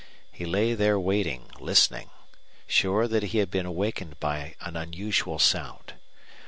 He lay there waiting, listening, sure that he had been awakened by an unusual sound.